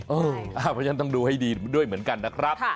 เพราะฉะนั้นต้องดูให้ดีด้วยเหมือนกันนะครับ